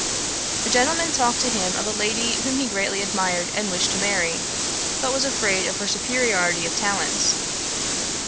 A gentleman talked to him of a lady whom he greatly admired and wished to marry, but was afraid of her superiority of talents.